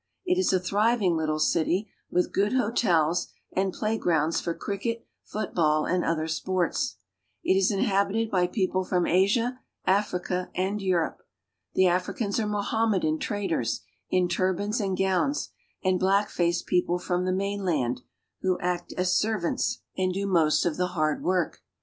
It is a thriving little city with good hotels and playgrounds for cricket, football, and other sports It is inhabited by people from Asia, Africa and Europe The Africans are Mohammedan traders m turbans and gowns, and black faced people from the mamland vho act as servants and do most of 1 34 AFRICA the hard work.